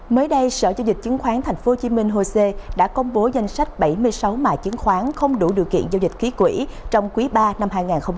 mới đây sở giao dịch chứng khoán tp hcm hosea đã công bố danh sách bảy mươi sáu mã chứng khoán không đủ điều kiện giao dịch ký quỹ trong quý ba năm hai nghìn hai mươi